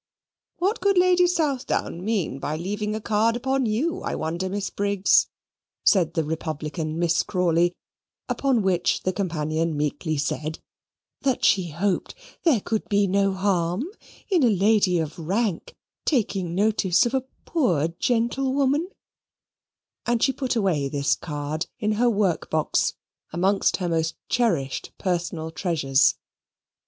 "What could Lady Southdown mean by leaving a card upon you, I wonder, Miss Briggs?" said the republican Miss Crawley; upon which the companion meekly said "that she hoped there could be no harm in a lady of rank taking notice of a poor gentlewoman," and she put away this card in her work box amongst her most cherished personal treasures.